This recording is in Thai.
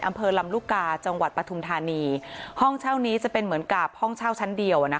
อำเภอลำลูกกาจังหวัดปฐุมธานีห้องเช่านี้จะเป็นเหมือนกับห้องเช่าชั้นเดียวอ่ะนะคะ